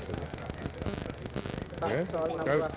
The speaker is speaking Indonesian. soal nomor empat yang mau